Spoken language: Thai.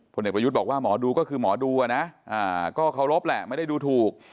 เด็กประยุทธ์บอกว่าหมอดูก็คือหมอดูนะก็เคารพแหละไม่ได้ดูถูก